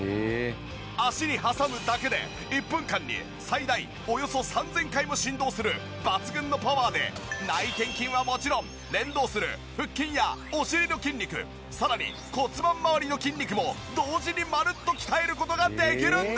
脚に挟むだけで１分間に最大およそ３０００回も振動する抜群のパワーで内転筋はもちろん連動する腹筋やお尻の筋肉さらに骨盤まわりの筋肉も同時にまるっと鍛える事ができるんです！